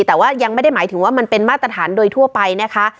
แต่ว่ายังไม่ได้หมายถึงว่ามันเป็นมาตรฐานโดยทั่วไปนะคะ